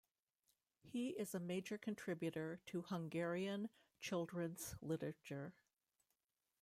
He is a major contributor to Hungarian children's literature.